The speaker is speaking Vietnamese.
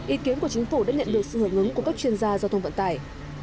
ý kiến của chính phủ đã nhận được sự hưởng ứng của các chuyên gia giao thông vận tải